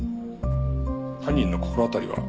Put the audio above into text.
犯人の心当たりは？